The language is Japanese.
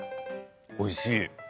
おいしい。